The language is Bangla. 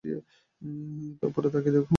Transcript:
উপরে তাকিয়ে দেখো!